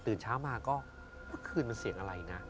เช้ามาก็เมื่อคืนมันเสียงอะไรนะ